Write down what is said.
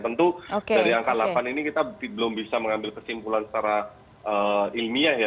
tentu dari angka delapan ini kita belum bisa mengambil kesimpulan secara ilmiah ya